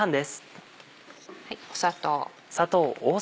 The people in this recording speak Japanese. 砂糖。